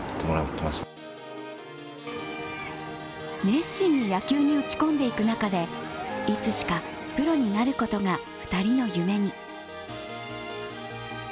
熱心に野球に打ち込んでいく中でいつしかプロになることが２人の夢に。